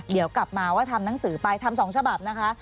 เดี๋ยวกลับมาว่าทำหนังสือไปทำ๒ฉบับนะคะ